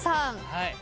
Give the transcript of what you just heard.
はい。